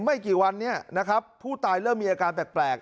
ไม่กี่วันนี้นะครับผู้ตายเริ่มมีอาการแปลก